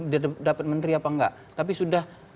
dia dapat menteri apa enggak tapi sudah